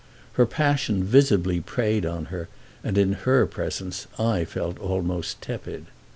Her passion visibly preyed on her, and in her presence I felt almost tepid.